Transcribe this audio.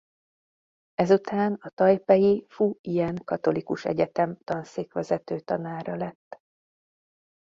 Ezután a tajpeji Fu-Jen Katolikus Egyetem tanszékvezető tanára lett.